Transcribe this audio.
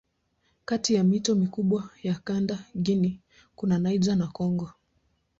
Kati ya mito mikubwa ya kanda Guinea kuna Niger na Kongo.